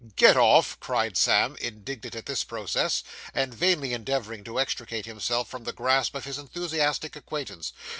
'Get off!' cried Sam, indignant at this process, and vainly endeavouring to extricate himself from the grasp of his enthusiastic acquaintance.